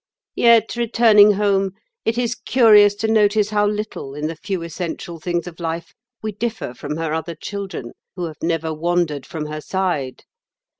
Yet, returning home it is curious to notice how little, in the few essential things of life, we differ from her other children, who have never wandered from her side.